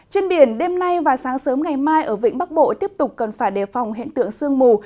trên biển đêm nay và sáng sớm ngày mai ở vĩnh bắc bộ tiếp tục cần phải đề phòng hiện tượng sương mù